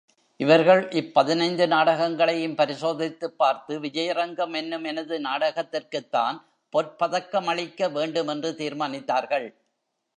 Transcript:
இவர்கள் இப்பதினைந்து நாடகங் களையும் பரிசோதித்துப் பார்த்து, விஜயரங்கம் என்னும் எனது நாடகத்திற்குத்தான் பொற்பதக்கமளிக்க வேண்டுமென்று தீர்மானித்தார்கள்.